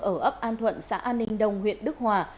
ở ấp an thuận xã an ninh đông huyện đức hòa